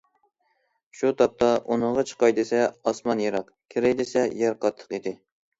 شۇ تاپتا ئۇنىڭغا چىقاي دېسە ئاسمان يىراق، كىرەي دېسە يەر قاتتىق ئىدى.